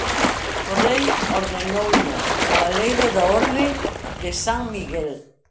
O rei ordenouno cabaleiro da orde de San Miguel.